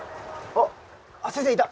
あっ先生いた！